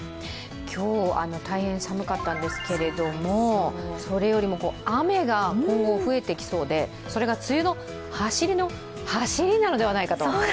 今日、大変寒かったんですけれどもそれよりも雨が今後、増えてきそうで、それが梅雨のはしりのはしりなのではないかと。